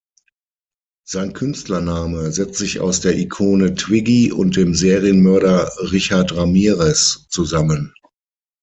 Sein Künstlername setzt sich aus der Ikone Twiggy und dem Serienmörder Richard Ramírez zusammen.